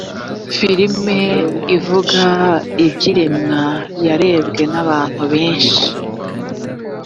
filimi ivuga ibyirema yarebwe nabantu benshi.